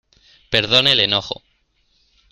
perdone el enojo.